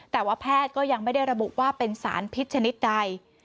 แต่ว่าแพทย์ก็ยังไม่ได้ระบุว่าเป็นสารพิษชนิดใด